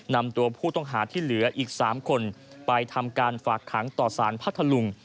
นำตัวผู้ต้องหาที่เหลืออีก๓คนไปทำการฝากขังต่อสารพัทธลุง